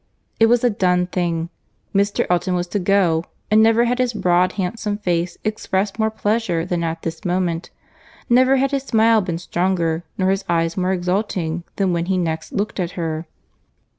It was a done thing; Mr. Elton was to go, and never had his broad handsome face expressed more pleasure than at this moment; never had his smile been stronger, nor his eyes more exulting than when he next looked at her.